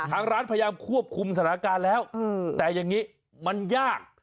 ทางร้านพยายามควบคุมสถานการณ์แล้วแต่อย่างนี้มันยาก